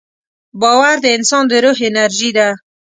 باور د انسان د روح انرژي ده.